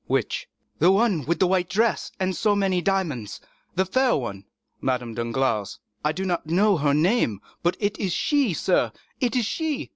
"Which?" "The one with a white dress and so many diamonds—the fair one." "Madame Danglars?" "I do not know her name; but it is she, sir, it is she!"